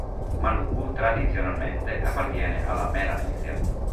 Maluku tradizionalmente appartiene alla Melanesia.